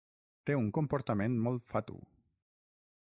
Té un comportament molt fatu.